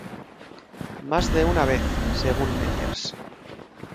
Más de una vez"" según Meyers.